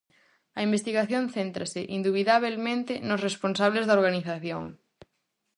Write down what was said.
A investigación céntrase, indubidabelmente, nos responsables da organización.